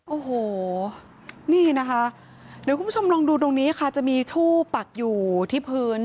โอ้โหนี่นะคะเดี๋ยวคุณผู้ชมลองดูตรงนี้ค่ะจะมีทู่ปักอยู่ที่พื้น